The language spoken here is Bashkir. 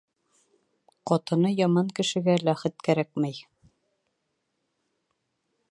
Ҡатыны яман кешегә ләхет кәрәкмәй.